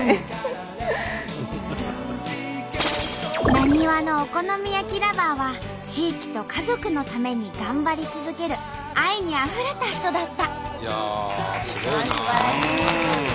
なにわのお好み焼きＬｏｖｅｒは地域と家族のために頑張り続ける愛にあふれた人だった！